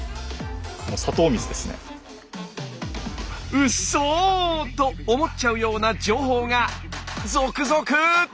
うっそ！と思っちゃうような情報が続々！